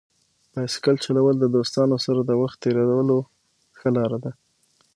بایسکل چلول د دوستانو سره د وخت تېرولو ښه لار ده.